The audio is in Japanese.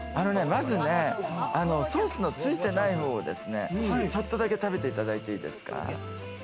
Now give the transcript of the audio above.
まずね、ソースのついてないほうをですね、ちょっとだけ食べていただいていいですか？